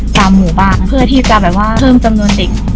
ตามหมู่บ้านเพื่อที่จะเพิ่มจำนวนติก